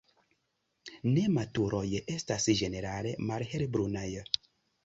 Nematuruloj estas ĝenerale malhelbrunaj.